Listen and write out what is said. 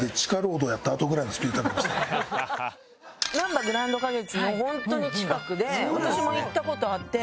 なんばグランド花月のホントに近くで私も行った事あって。